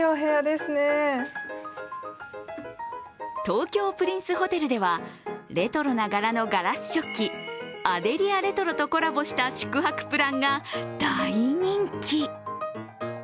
東京プリンスホテルでは、レトロな柄のガラス食器、アデリアレトロとコラボした宿泊プランが大人気。